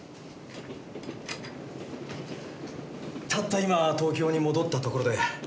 たった今東京に戻ったところで。